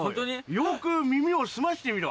よく耳を澄ましてみろ。